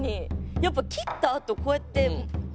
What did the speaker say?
やっぱ切ったあとこうやって。